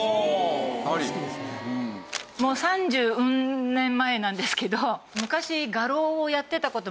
もう三十うん年前なんですけど。